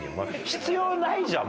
必要ないじゃん。